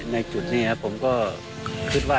ในจุดนี้ผมก็คิดว่า